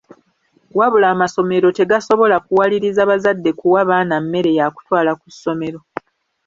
Wabula amasomero tegasobola kuwaliriza bazadde kuwa baana mmere ya kutwala ku ssomero.